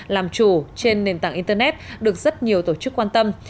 làm chủ trên nền tảng internet được rất nhiều tổ chức quan tâm